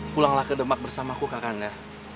pulanglah ke demak bersamaku kakaknya